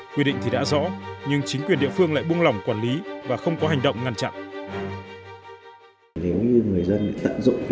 quy định thì đã rõ nhưng chính quyền địa phương lại buông lỏng quản lý và không có hành động ngăn chặn